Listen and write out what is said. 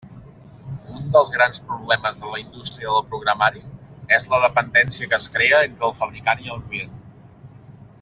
Un dels grans problemes en la indústria del programari és la dependència que es crea entre el fabricant i el client.